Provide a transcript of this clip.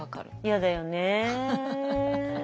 嫌だよね。